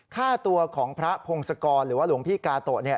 ค่าตัวของพระพงศกรหรือว่าหลวงพี่กาโตะเนี่ย